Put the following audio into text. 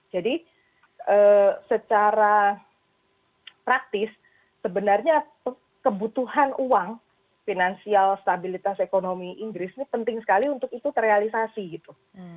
jadi secara praktis sebenarnya kebutuhan uang finansial stabilitas ekonomi inggris ini penting sekali untuk itu terrealisasi gitu